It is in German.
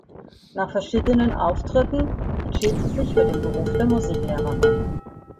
Nach verschiedenen Auftritten entschied sie sich für den Beruf der Musiklehrerin.